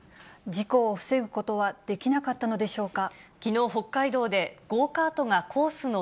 事故を防ぐことはできなかったのでしょうか。